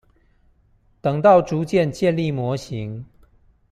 等到逐漸建立模型